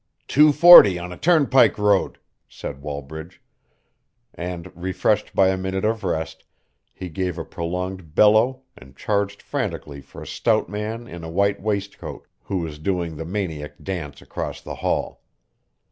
"Two forty on a turnpike road," said Wallbridge. And, refreshed by a minute of rest, he gave a prolonged bellow and charged frantically for a stout man in a white waistcoat who was doing the maniac dance across the hall.